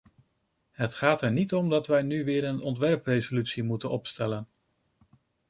Het gaat er niet om dat wij nu weer een ontwerpresolutie moeten opstellen.